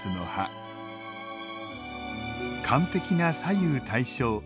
完璧な左右対称。